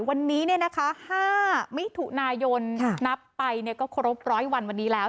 วันนี้๕มิถุนายนนับไปก็ครบ๑๐๐วันวันนี้แล้ว